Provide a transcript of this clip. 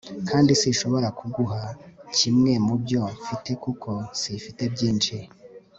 ariko sinshobora kuguha kimwe mubyo mfite kuko si mfite byishi